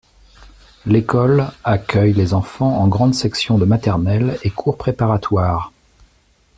L'école accueille les enfants en grande section de maternelle et cours préparatoire.